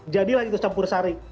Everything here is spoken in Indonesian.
jadilah itu campur sari